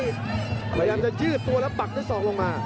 พยายามจะยืดตัวแล้วปักด้วยศอกลงมา